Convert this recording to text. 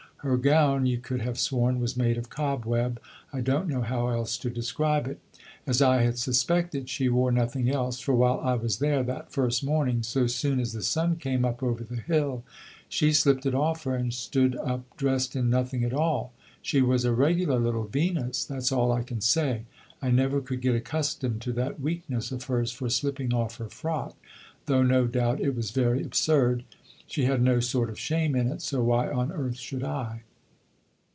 Her gown you could have sworn was made of cobweb; I don't know how else to describe it. As I had suspected, she wore nothing else, for while I was there that first morning, so soon as the sun came up over the hill she slipped it off her and stood up dressed in nothing at all. She was a regular little Venus that's all I can say. I never could get accustomed to that weakness of hers for slipping off her frock, though no doubt it was very absurd. She had no sort of shame in it, so why on earth should I?